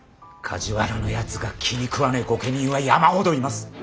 梶原のやつが気にくわねえ御家人は山ほどいます。